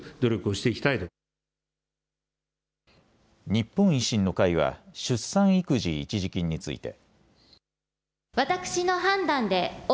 日本維新の会は出産育児一時金について。